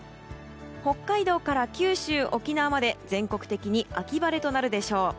北海道から九州、沖縄まで全国的に秋晴れとなるでしょう。